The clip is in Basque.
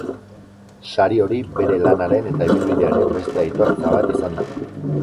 Sari hori bere lanaren eta ibilbidearen beste aitortza bat izan da.